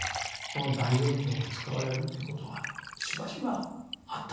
この第四条が使われるということがしばしばあったんですね。